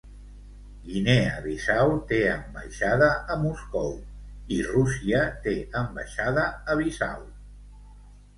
Guinea Bissau té ambaixada a Moscou, i Rússia té ambaixada a Bissau.